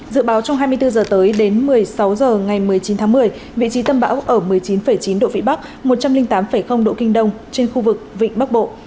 dự báo trong hai mươi bốn h tới đến một mươi sáu h ngày một mươi chín tháng một mươi vị trí tâm bão ở một mươi chín chín độ vĩ bắc một trăm linh tám độ kinh đông trên khu vực vịnh bắc bộ